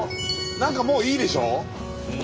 何かもういいでしょ？